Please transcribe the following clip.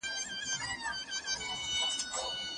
نقطه د جملي د پای ته رسولو نښه ده.